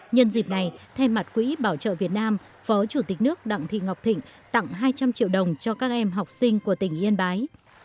nhân dịp này thay mặt quỹ bảo trợ việt nam phó chủ tịch nước đặng thị ngọc thịnh tặng hai trăm linh triệu đồng cho các em học sinh của tỉnh yên bái